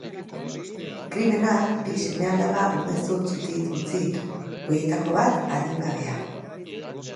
Krimenak bi seme-alaba umezurtz utzi ditu, horietako bat, adingabea.